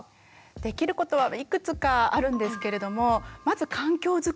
できることはいくつかあるんですけれどもまず環境づくり。